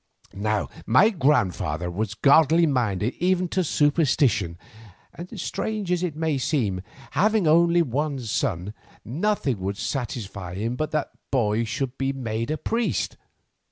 Now my grandfather was godly minded even to superstition, and strange as it may seem, having only one son, nothing would satisfy him but that the boy should be made a priest.